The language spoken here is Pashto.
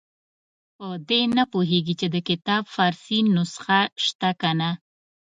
په دې نه پوهېږي چې د کتاب فارسي نسخه شته که نه.